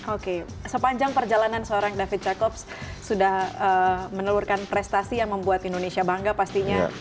oke sepanjang perjalanan seorang david jacobs sudah menelurkan prestasi yang membuat indonesia bangga pastinya